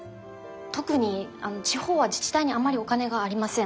特に地方は自治体にあまりお金がありません。